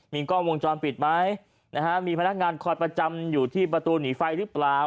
มีกล้องวงจรปิดไหมนะฮะมีพนักงานคอยประจำอยู่ที่ประตูหนีไฟหรือเปล่า